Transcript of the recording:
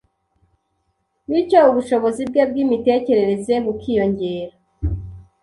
bityo ubushobozi bwe bw’imitekerereze bukiyongera